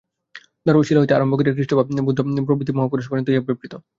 দারু ও শিলা হইতে আরম্ভ করিয়া খ্রীষ্ট বা বুদ্ধ প্রভৃতি মহাপুরুষ পর্যন্ত ইহা ব্যাপৃত।